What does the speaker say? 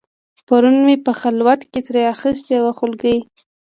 پرون مې په خلوت کې ترې اخیستې وه خولګۍ